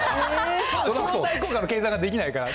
費用対効果の計算ができないから。